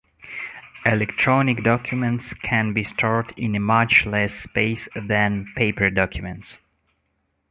Electronic documents can be stored in a much less space than paper documents.